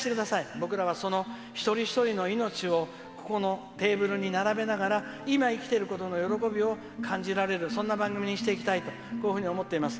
僕らは、一人一人の命をここのテーブルに並べながら今、生きてることの喜びを感じられるそんな番組にしていきたいとこういうふうに思っています。